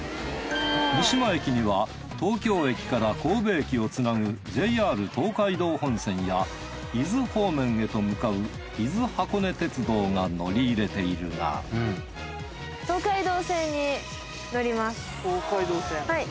三島駅には東京駅から神戸駅をつなぐＪＲ東海道本線や伊豆方面へと向かう伊豆箱根鉄道が乗り入れているが東海道線。